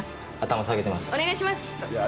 お願いします！